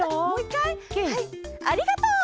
はい「ありがとう！」。